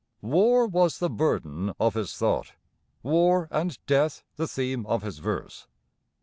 War was the burden of his thought; war and death the theme of his verse.